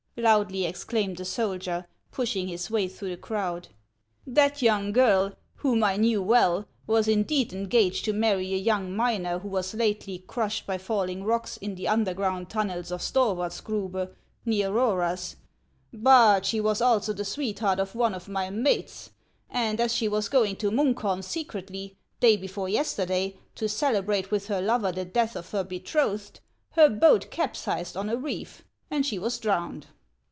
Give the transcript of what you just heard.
" loudly exclaimed a soldier, pushing his way through the crowd. " That young girl, whom I knew well, was indeed engaged to marry a young miner who was lately crashed by falling rocks in the underground tunnels of Storwaadsgrube, near Eoeraas ; but she was also the sweetheart of oue of my mates, and as she was going to Mimkholm secretly, day before yesterday, to cele brate with her lover the death of her betrothed, her boat capsized on a reef, and she was drowned."